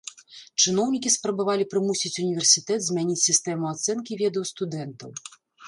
Чыноўнікі спрабавалі прымусіць універсітэт змяніць сістэму ацэнкі ведаў студэнтаў.